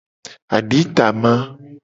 Aditama.